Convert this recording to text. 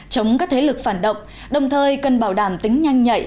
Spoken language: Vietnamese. chống các thế lực phản động đồng thời cần bảo đảm tính nhanh nhạy